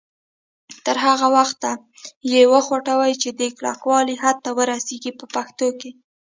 تر هغه وخته یې وخوټوئ چې د کلکوالي حد ته ورسیږي په پښتو کې.